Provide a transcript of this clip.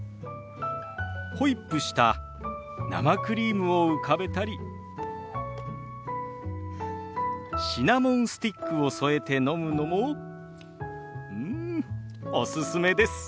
ホイップした生クリームを浮かべたりシナモンスティックを添えて飲むのもうんおすすめです。